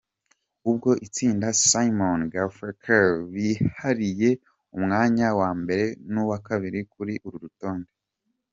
Ubwo itsinda Simon & Garfunkel bihariye umwanya wa mbere n’uwa kabiri kuri uru rutonde.